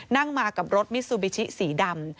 นั่งมากับรถมิซูบิชิสีดำ